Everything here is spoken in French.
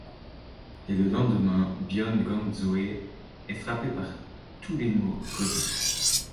Et le lendemain, Byon Gangsoé est frappé par tous les maux connus.